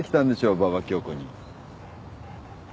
馬場恭子に。